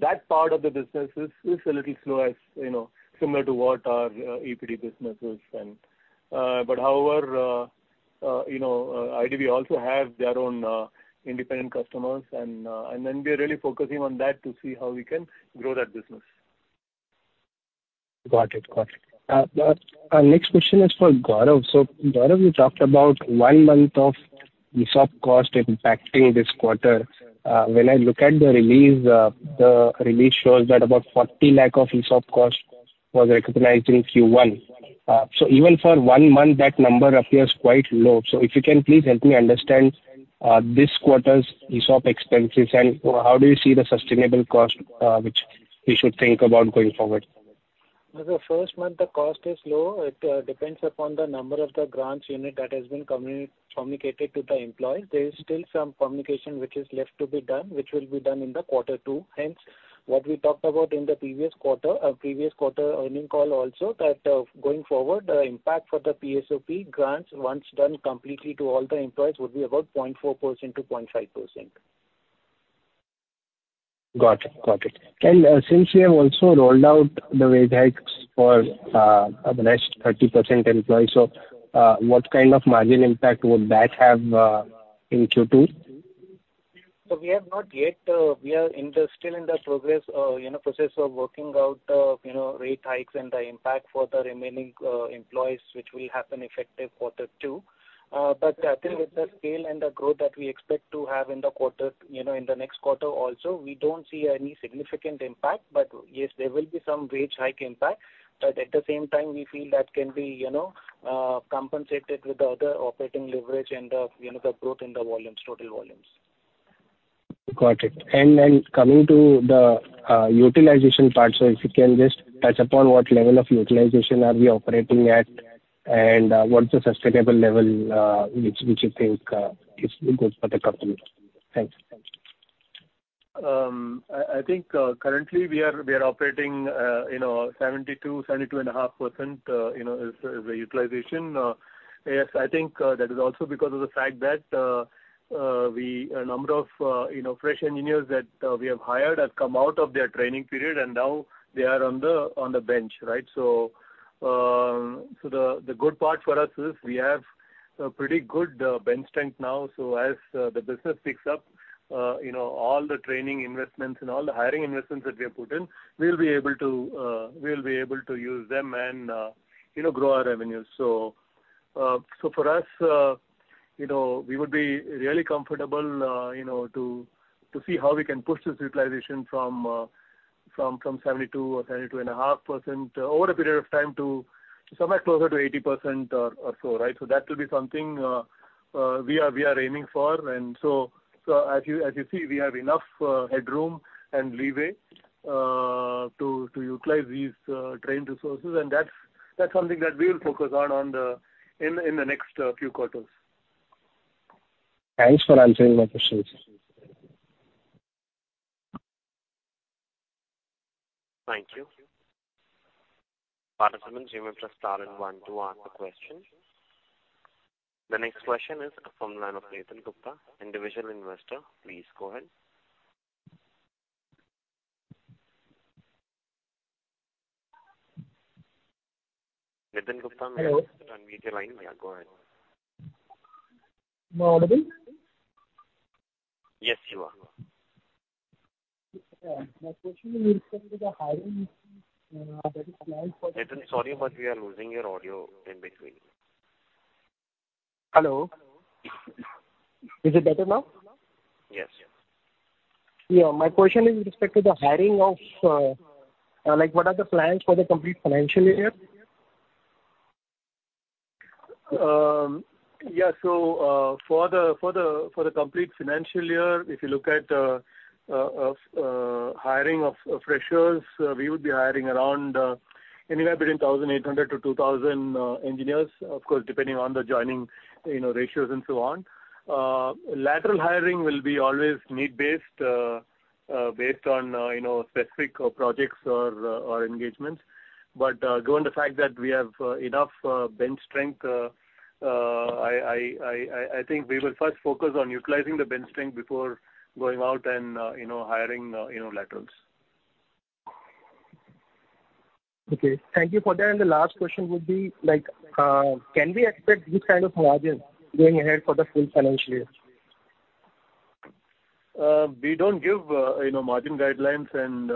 S3: that part of the business is a little slow, as, you know, similar to what our EPD business is then. However, you know, IDV also have their own independent customers, then we are really focusing on that to see how we can grow that business.
S14: Got it. Got it. Our next question is for Gaurav. Gaurav, you talked about one month of ESOP cost impacting this quarter. When I look at the release, the release shows that about 40 lakh of ESOP cost was recognized in Q1. Even for one month, that number appears quite low. If you can, please help me understand this quarter's ESOP expenses, and how do you see the sustainable cost which we should think about going forward?
S6: The first month, the cost is low. It depends upon the number of the grants unit that has been communicated to the employees. There is still some communication which is left to be done, which will be done in the quarter two. What we talked about in the previous quarter earning call also, that going forward, the impact for the PSOP grants, once done completely to all the employees, would be about 0.4%-0.5%.
S14: Got it. Got it. Since you have also rolled out the wage hikes for the rest 30% employees, so, what kind of margin impact would that have in Q2?
S6: We have not yet, we are in the, still in the progress, you know, process of working out, you know, rate hikes and the impact for the remaining employees, which will happen effective Q2. I think with the scale and the growth that we expect to have in the quarter, you know, in the next quarter also, we don't see any significant impact. Yes, there will be some wage hike impact, but at the same time, we feel that can be, you know, compensated with the other operating leverage and the, you know, the growth in the volumes, total volumes.
S14: Got it. Coming to the utilization part. If you can just touch upon what level of utilization are we operating at, and what's the sustainable level which you think is good for the company? Thanks.
S3: I think, currently we are, we are operating, you know, 72%, 72.5%,as a utilization. Yes i think, it is also because of the facts that the number of pressure, in years that they'll be of high and come out of their training period and down they are on the bench right so, the good part for us is we have and predict good bench. As the business picks up all the training in expence in all the hiring in expence of their will be able to use them and grow revenues. For us, you know, we would be really comfortable, you know, to see how we can push this utilization from 72% or 72.5% over a period of time to somewhere closer to 80% or so, right? That will be something we are aiming for. As you see, we have enough headroom and leeway to utilize these trained resources, and that's something that we will focus on in the next few quarters.
S14: Thanks for answering my questions.
S2: Thank you. Participants, you may press star and one to ask a question. The next question is from the line of Nitin Gupta, individual investor. Please go ahead. Nitin Gupta, unmute your line. Go ahead.
S15: Am I audible?
S2: Yes, you are.
S15: My question is with respect to the hiring.
S1: Niten, sorry, but we are losing your audio in between.
S15: Hello. Is it better now?
S2: Yes.
S6: Yeah. My question is with respect to the hiring of, like, what are the plans for the complete financial year?
S3: For the complete financial year, if you look at, uh, uh, hiring of freshers, uh, we would be hiring around, uh, anywhere between 1,800 to 2,000, uh, engineers. Of course, depending on the joining, you know, ratios and so on. Lateral hiring will be always need-based, uh, based on, uh, you know, specific projects or, uh, or engagements. But, uh, given the fact that we have, uh, enough, uh, bench strength, uh, I, I, I think we will first focus on utilizing the bench strength before going out and, uh, you know, hiring, uh, you know, laterals.
S6: Okay, thank you for that. The last question would be, like, can we expect this kind of margins going ahead for the full financial year?
S3: We don't give, you know, margin guidelines, and,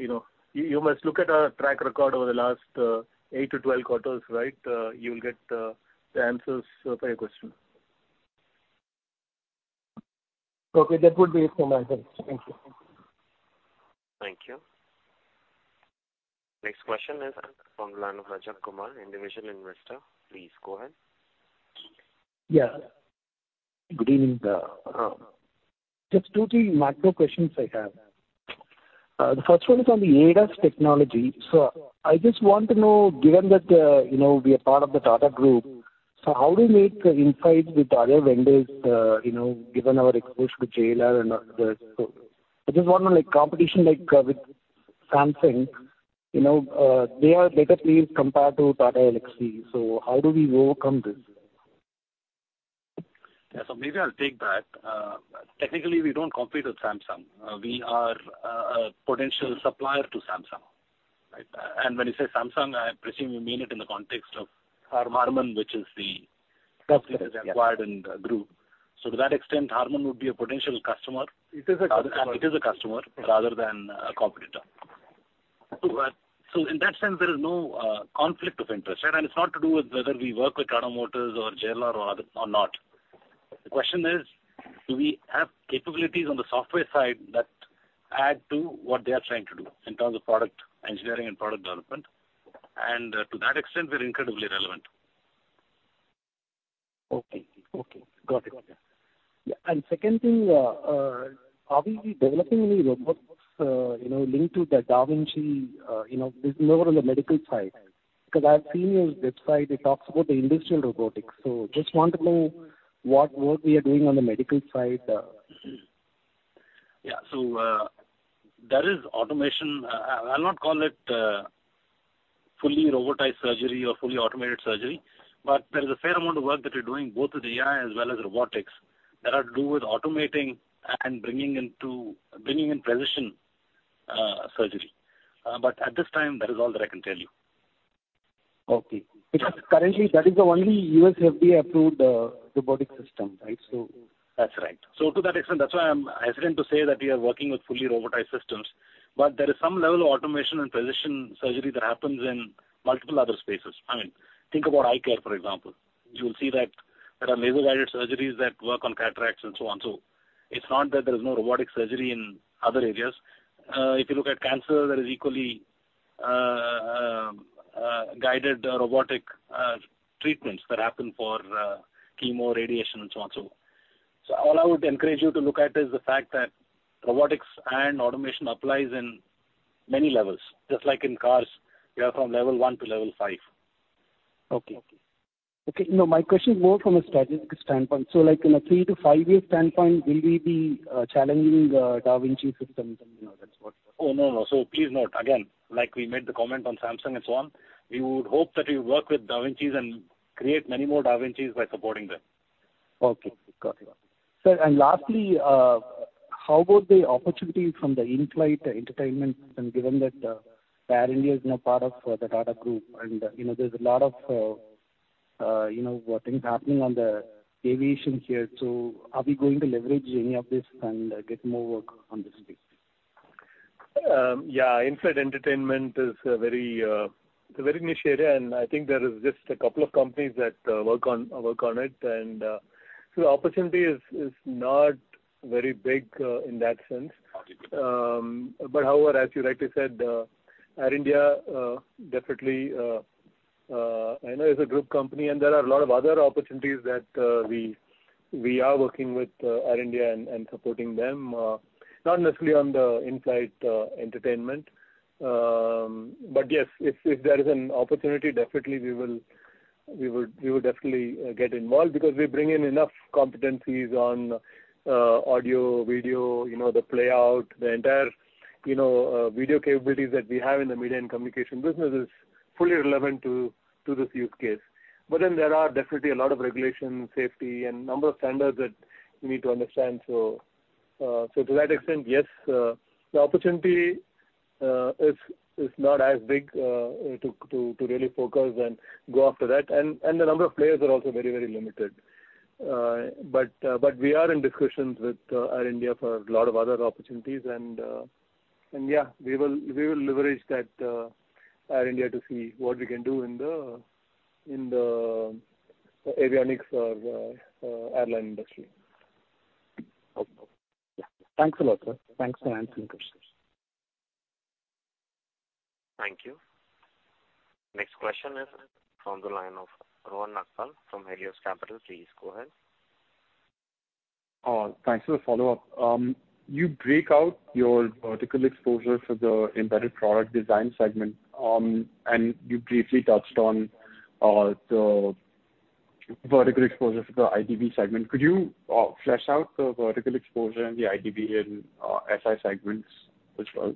S3: you know, you must look at our track record over the last 8 to 12 quarters, right? You'll get the answers for your question.
S6: Okay, that would be it from my end. Thank you.
S2: Thank you. Next question is from the line of Rajakumar, individual investor. Please go ahead.
S16: Yeah. Good evening. Just two, three macro questions I have. The first one is on the ADAS technology. I just want to know, given that, you know, we are part of the Tata Group, so how do we make insights with other vendors, you know, given our exposure to JLR and others? I just want to know, like, competition, like, with Samsung, you know, they are better placed compared to Tata Elxsi. How do we overcome this?
S3: Yeah. Maybe I'll take that. Technically, we don't compete with Samsung. We are a potential supplier to Samsung, right? When you say Samsung, I presume you mean it in the context of-
S16: HARMAN.
S3: HARMAN, which is the company that is acquired in the group. To that extent, HARMAN would be a potential customer.
S16: It is a customer.
S3: It is a customer rather than a competitor. In that sense, there is no conflict of interest, and it's not to do with whether we work with Tata Motors or JLR or other or not. The question is, do we have capabilities on the software side that add to what they are trying to do in terms of product engineering and product development? To that extent, we're incredibly relevant.
S16: Okay. Okay, got it. Yeah, second thing, are we developing any robots, you know, linked to the da Vinci, you know, more on the medical side? Because I've seen your website, it talks about the industrial robotics. Just want to know what work we are doing on the medical side.
S3: That is automation. I'll not call it fully robotized surgery or fully automated surgery, but there is a fair amount of work that we're doing, both with AI as well as robotics, that are to do with automating and bringing in precision, surgery. At this time, that is all that I can tell you.
S16: Okay, because currently that is the only US FDA-approved, robotic system, right?
S3: That's right. To that extent, that's why I'm hesitant to say that we are working with fully robotic systems. There is some level of automation and precision surgery that happens in multiple other spaces. I mean, think about eye care, for example. You'll see that there are laser-guided surgeries that work on cataracts and so on. It's not that there is no robotic surgery in other areas. If you look at cancer, there is equally guided robotic treatments that happen for chemo, radiation, and so on. All I would encourage you to look at is the fact that robotics and automation applies in many levels. Just like in cars, we are from level one to level five.
S16: Okay. Okay, no, my question is more from a strategic standpoint. like, in a 3-5-year standpoint, will we be challenging da Vinci system?
S3: Oh, no. Please note again, like we made the comment on Samsung and so on, we would hope that we work with da Vincis and create many more da Vincis by supporting them.
S16: Okay, got it. Sir, lastly, how about the opportunity from the in-flight entertainment, and given that Air India is now part of the Tata Group, and, you know, there's a lot of, you know, things happening on the aviation here, are we going to leverage any of this and get more work on this space?
S6: Yeah, in-flight entertainment is a very niche area, and I think there is just a couple of companies that work on it. The opportunity is not very big, in that sense.
S16: Okay.
S6: However, as you rightly said, Air India definitely I know is a group company, and there are a lot of other opportunities that we are working with Air India and supporting them not necessarily on the in-flight entertainment. Yes, if there is an opportunity, we would definitely get involved, because we bring in enough competencies on audio, video, you know, the playout, the entire, you know, video capabilities that we have in the media and communication business is fully relevant to this use case. There are definitely a lot of regulation, safety, and number of standards that we need to understand. To that extent, yes, the opportunity is not as big to really focus and go after that. The number of players are also very, very limited. But we are in discussions with Air India for a lot of other opportunities, and yeah, we will leverage that Air India to see what we can do in the avionics or airline industry.
S16: Okay.
S6: Yeah.
S16: Thanks a lot, sir. Thanks for answering the questions.
S2: Thank you. Next question is from the line of Rohan Nagpal from Helios Capital. Please go ahead.
S10: Thanks for the follow-up. You break out your vertical exposure for the embedded product design segment, and you briefly touched on the vertical exposure for the IDV segment. Could you flesh out the vertical exposure in the IDV and SI segments as well?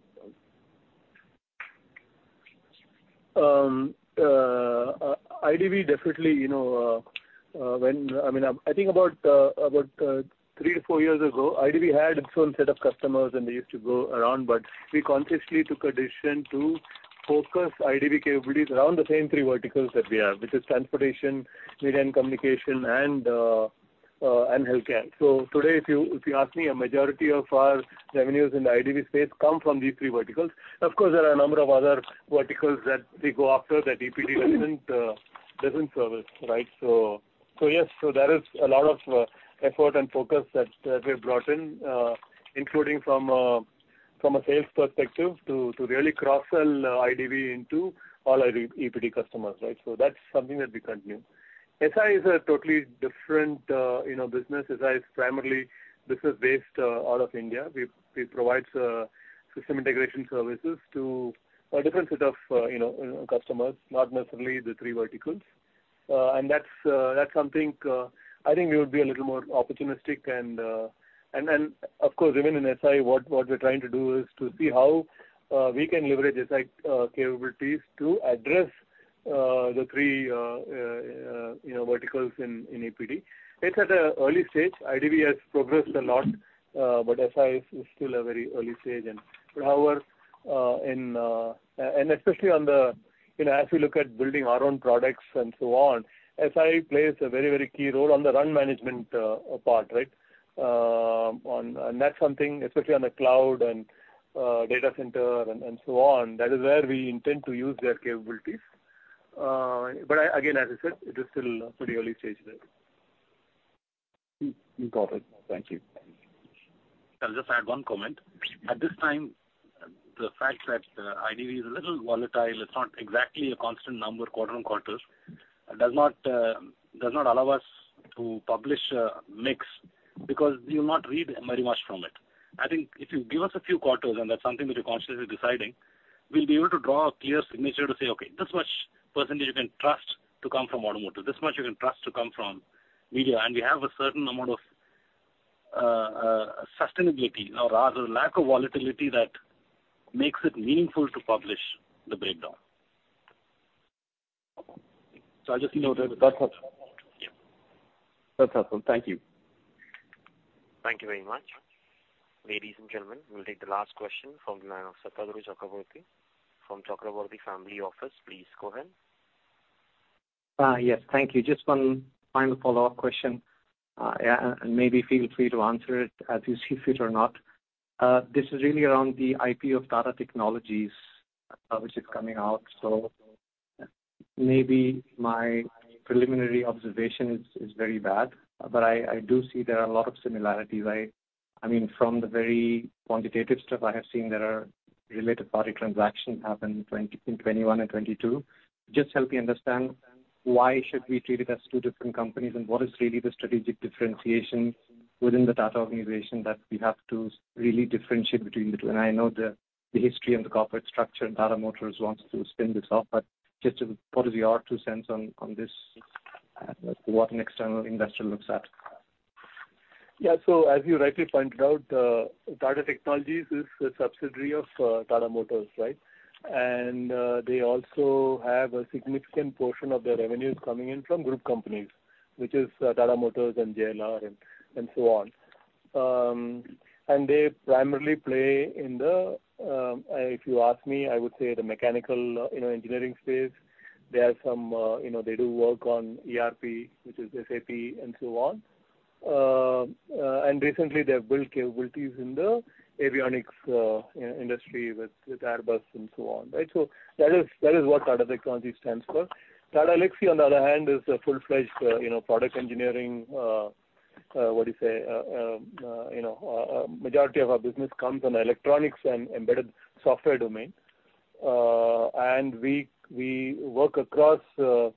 S3: IDV, definitely, you know, I think about 3 to 4 years ago, IDV had its own set of customers, and they used to go around, but we consciously took a decision to focus IDV capabilities around the same three verticals that we have, which is transportation, media and communication, and healthcare. Today, if you, if you ask me, a majority of our revenues in the IDV space come from these three verticals. Of course, there are a number of other verticals that we go after, that EPD doesn't service, right? Yes, there is a lot of effort and focus that we have brought in, including from a sales perspective, to really cross-sell IDV into all our EPD customers, right? That's something that we continue. SI is a totally different, you know, business. SI is primarily business-based out of India. We, it provides system integration services to a different set of, you know, customers, not necessarily the three verticals. That's that's something, I think we would be a little more opportunistic and. Then, of course, even in SI, what we're trying to do is to see how we can leverage the SI capabilities to address the three, you know, verticals in EPD. It's at a early stage. IDV has progressed a lot, but SI is still a very early stage. However, in, and especially on the, you know, as we look at building our own products and so on, SI plays a very, very key role on the run management, part, right? That's something, especially on the cloud and, data center and so on, that is where we intend to use their capabilities. Again, as I said, it is still pretty early stage there.
S10: Got it. Thank you.
S3: I'll just add one comment. At this time, the fact that IDV is a little volatile, it's not exactly a constant number quarter on quarter, does not allow us to publish mix, because you'll not read very much from it. I think if you give us a few quarters, and that's something that we're consciously deciding, we'll be able to draw a clear signature to say, okay, this much % you can trust to come from automotive, this much you can trust to come from media. We have a certain amount of sustainability, or rather, lack of volatility, that makes it meaningful to publish the breakdown. I just noted. That's what.
S10: That's awesome. Thank you.
S1: Thank you very much. Ladies and gentlemen, we'll take the last question from the line of Satadru Chakraborty from Chakraborty Family Office. Please go ahead.
S12: Yes, thank you. Just one final follow-up question. Yeah, and maybe feel free to answer it as you see fit or not. This is really around the IP of Tata Technologies, which is coming out. Maybe my preliminary observation is very bad, but I do see there are a lot of similarities. I mean, from the very quantitative stuff I have seen, there are related party transactions happened in 20, in 21 and 22. Just help me understand, why should we treat it as two different companies, and what is really the strategic differentiation within the Tata organization that we have to really differentiate between the two? I know the history and the corporate structure, and Tata Motors wants to spin this off, but just what is your two cents on this, what an external investor looks at?
S3: Yeah. As you rightly pointed out, Tata Technologies is a subsidiary of Tata Motors, right? They also have a significant portion of their revenues coming in from group companies, which is Tata Motors and JLR and so on. They primarily play in the, if you ask me, I would say the mechanical, you know, engineering space. There are some, you know, they do work on ERP, which is SAP and so on. Recently, they have built capabilities in the avionics, in industry with Airbus and so on, right? That is what Tata Technologies stands for. Tata Elxsi, on the other hand, is a full-fledged, you know, product engineering, what do you say? you know, a majority of our business comes from electronics and embedded software domain. We work across, you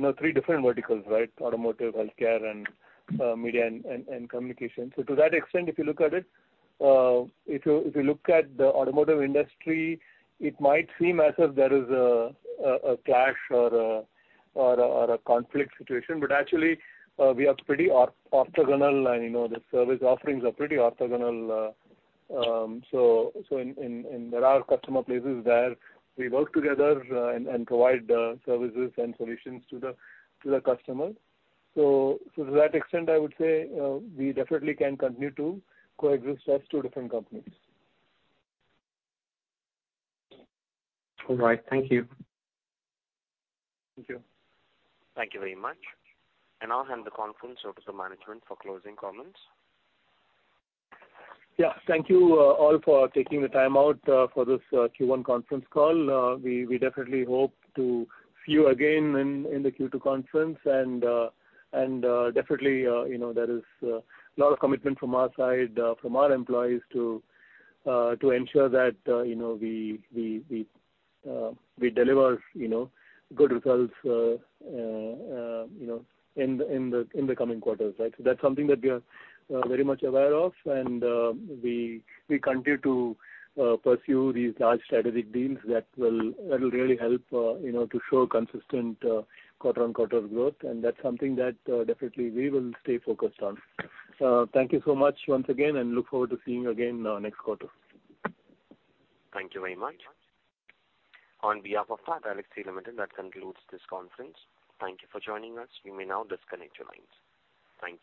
S3: know, three different verticals, right? Automotive, healthcare, and media and communication. To that extent, if you look at it, if you, if you look at the automotive industry, it might seem as if there is a clash or a conflict situation, but actually, we are pretty orthogonal, and, you know, the service offerings are pretty orthogonal, so in, and there are customer places where we work together, and provide the services and solutions to the customer. To that extent, I would say, we definitely can continue to coexist as two different companies.
S12: All right. Thank you.
S3: Thank you.
S1: Thank you very much. I now hand the conference over to management for closing comments.
S3: Yeah. Thank you all for taking the time out for this Q1 conference call. We definitely hope to see you again in the Q2 conference. Definitely, you know, there is a lot of commitment from our side, from our employees to ensure that, you know, we deliver, you know, good results, you know, in the coming quarters, right? That's something that we are very much aware of, and we continue to pursue these large strategic deals that will really help, you know, to show consistent quarter-on-quarter growth. That's something that definitely we will stay focused on. Thank you so much once again, and look forward to seeing you again, next quarter.
S1: Thank you very much. On behalf of Tata Elxsi Limited, that concludes this conference. Thank you for joining us. You may now disconnect your lines. Thank you.